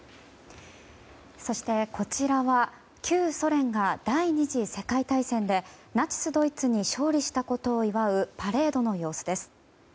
そして、こちらは旧ソ連が第２次世界大戦でナチスドイツに勝利したことを祝うパレードの様子です。